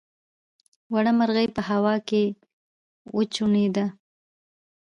وړه مرغۍ په هوا کې وچوڼېده.